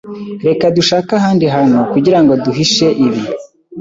Reka dushake ahandi hantu kugirango duhishe ibi.